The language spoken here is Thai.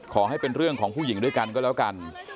ขอให้เป็นเรื่องของผู้หญิงด้วยกันก็แล้วกัน